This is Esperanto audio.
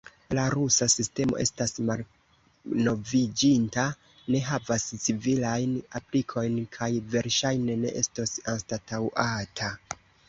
La rusa sistemo estas malnoviĝinta, ne havas civilajn aplikojn kaj verŝajne ne estos anstataŭata.